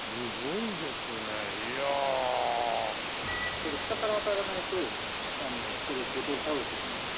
これ下から当たらないとここでボトル倒れてしまいます。